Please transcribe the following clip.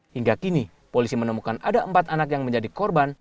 hingga kini polisi menemukan ada empat anak yang menjadi korban